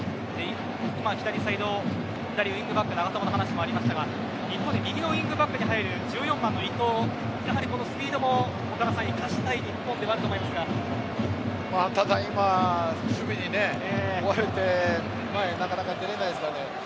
左サイド左ウイングバックの長友の話ありましたが一方で右ウイングバックに入る１４番の伊東やはり、スピードも岡田さん生かしたい日本ではただ、今、守備に追われて前なかなか出れないですからね。